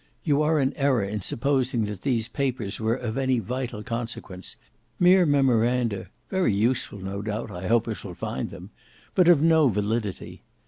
You are in error in supposing that these papers were of any vital consequence; mere memoranda; very useful no doubt: I hope I shall find them; but of no validity.